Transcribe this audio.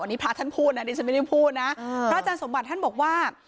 อันนี้พระอาจารย์ท่านพูดนะพระอาจารย์สมบัติท่านบอกว่า